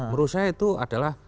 menurut saya itu adalah